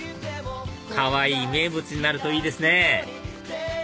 かわいい名物になるといいですね